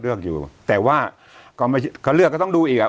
เลือกอยู่แต่ว่าก็ไม่ก็เลือกก็ต้องดูอีกอ่ะ